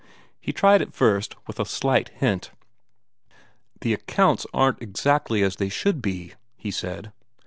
He tried at first with a slight hint: "The accounts aren't exactly as they should be," he said.